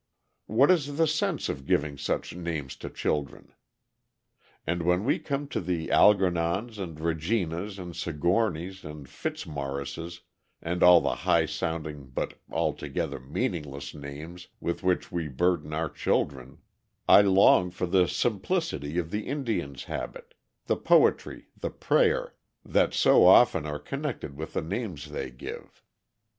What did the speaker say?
What is the sense of giving such names to children? And when we come to the Algernons, and Reginas, and Sigourneys, and Fitzmaurices, and all the high sounding but altogether meaningless names with which we burden our children, I long for the simplicity of the Indian's habit, the poetry, the prayer, that so often are connected with the names they give.